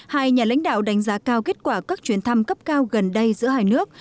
hai nhà lãnh đạo đánh giá cao kết quả các chuyến thăm cấp cao gần đây giữa hai nước